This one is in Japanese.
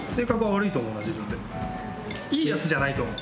いいやつじゃないと思う。